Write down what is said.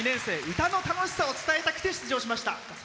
歌の楽しさを伝えたくて出場しました。